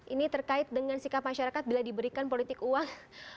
ini terkait dengan sikap masyarakat bila diberikan politik uang